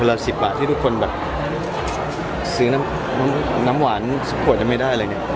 เวลาสิบบาทที่ทุกคนแบบซื้อน้ำน้ำหวานสุดขวดจะไม่ได้เลยเนี้ย